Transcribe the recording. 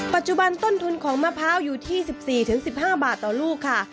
ปัจจุบันต้นทุนของมะพร้าวอยู่ที่๑๔๑๕บาทต่อลูกค่ะ